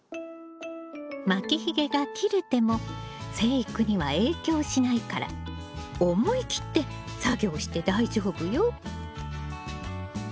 巻きひげが切れても生育には影響しないから思い切って作業して大丈夫よ。